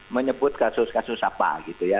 menyebut kasus kasus apa gitu ya